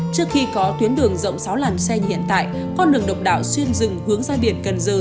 trước khi có tuyến đường rộng sáu làn xe như hiện tại con đường độc đạo xuyên rừng hướng ra biển cần giờ